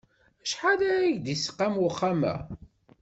Acḥal ara k-d-isqam uxxam-a?